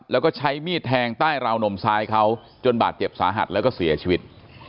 แล้วก็ใช้มีดแทงใต้ราวนมซ้ายเขาจนบาดเจ็บสาหัสแล้วก็เสียชีวิต